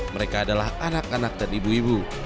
mereka adalah anak anak dan ibu ibu